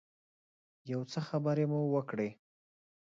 یو څه خبرې مو وکړې.